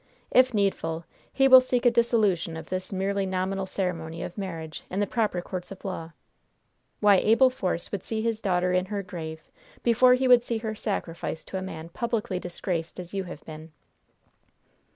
If needful, he will seek a dissolution of this merely nominal ceremony of marriage in the proper courts of law. Why, Abel Force would see his daughter in her grave before he would see her sacrificed to a man publicly disgraced as you have been!"